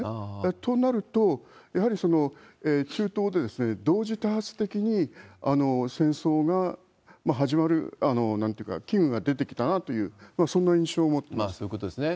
となると、やはり中東で同時多発的に戦争が始まる危惧が出てきたなという、そういうことですね。